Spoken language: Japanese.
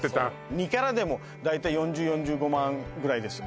２カラットでも大体４０４５万ぐらいです